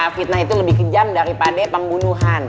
fitnah itu lebih kejam daripada pembunuhan